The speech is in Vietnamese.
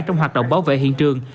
trong hoạt động bảo vệ hiện trường